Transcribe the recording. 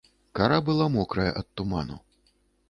Кара была мокрая ад туману.